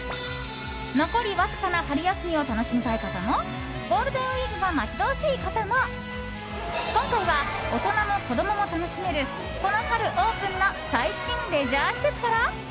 残りわずかな春休みを楽しみたい方もゴールデンウィークが待ち遠しい方も今回は、大人も子供楽しめるこの春オープンの最新レジャー施設から。